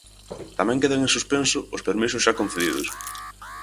Tamén quedan en suspenso os permisos xa concedidos.